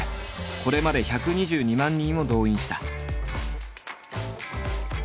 これまで１２２万人を動員した。